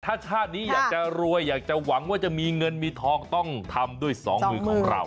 ถ้าชาตินี้อยากจะรวยอยากจะหวังว่าจะมีเงินมีทองต้องทำด้วยสองมือของเรา